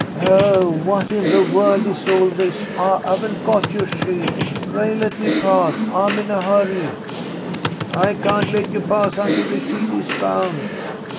"Oh, what in the world is all this? I haven't got your sheet. Pray let me pass; I'm in a hurry." "I can't let you pass until the sheet is found."